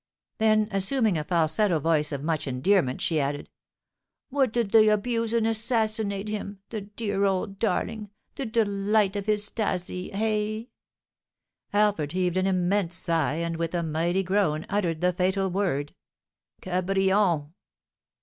Then, assuming a falsetto voice of much endearment, she added: "What, did they abuse and assassinate him, the dear old darling, the delight of his 'Stasie, eh?" Alfred heaved an immense sigh, and, with a mighty groan, uttered the fatal word: "Cabrion!"